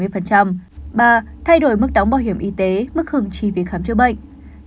ba thay đổi mức đóng bảo hiểm y tế mức hưởng trì việc khám chữa bệnh